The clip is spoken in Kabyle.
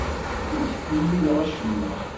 Ur ttkemmileɣ acemma.